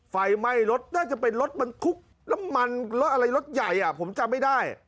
ไฟไหม้รถน่าจะเป็นรถลำมันอะไรรถใหญ่อ่ะผมจำไม่ได้